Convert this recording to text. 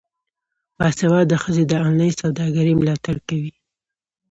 باسواده ښځې د انلاین سوداګرۍ ملاتړ کوي.